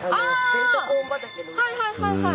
はいはいはいはい。